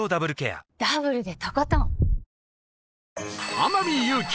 天海祐希